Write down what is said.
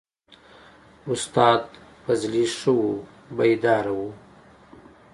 استاد فضلي ښه وو بیداره و.